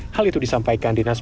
hal itu disampaikan dinasur